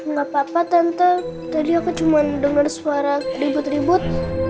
gak apa apa tante jadi aku cuma dengar suara ribut ribut